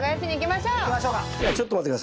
行きましょうか。